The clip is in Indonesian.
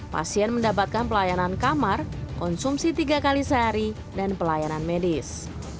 pasien mendapatkan pelayanan kamar konsumsi tiga kali sehari dan pelayanan medis